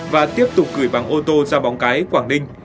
và tiếp tục gửi bằng ô tô ra bóng cái quảng ninh